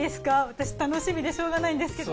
私楽しみでしようがないんですけど。